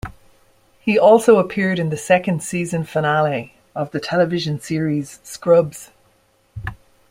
He also appeared in the second season finale of the television series "Scrubs".